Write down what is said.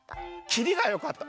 きりがよかった？